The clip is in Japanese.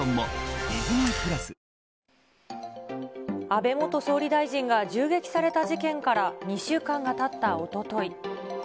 安倍元総理大臣が銃撃された事件から２週間がたったおととい。